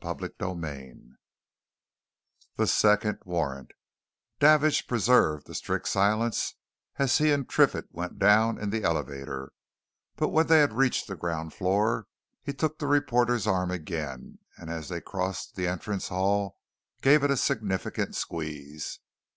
CHAPTER XXXV THE SECOND WARRANT Davidge preserved a strict silence as he and Triffitt went down in the elevator, but when they had reached the ground floor he took the reporter's arm again, and as they crossed the entrance hall gave it a significant squeeze.